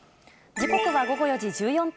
時刻は午後４時１４分。